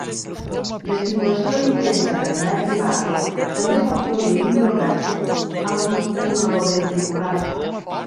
L'estimulació intensa del nervi vague també pot produir un blocatge auriculoventricular.